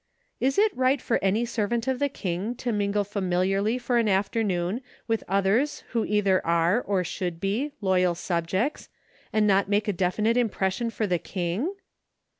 Is it right for any servant of the King to mingle familiarly for an afternoon with others who either are, or should be, loyal subjects, and not make a definite im¬ pression for the King